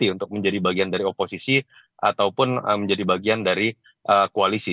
untuk menjadi bagian dari oposisi ataupun menjadi bagian dari koalisi